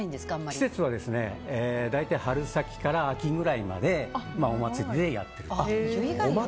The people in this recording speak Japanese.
季節は春先から秋ぐらいからお祭りでやっていると。